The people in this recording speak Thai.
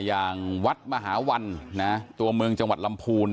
อย่างวัดมหาวันตัวเมืองจังหวัดลำพูน